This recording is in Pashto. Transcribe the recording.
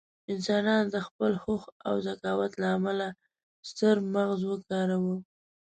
انسانان د خپل هوښ او ذکاوت له امله ستر مغز وکاروه.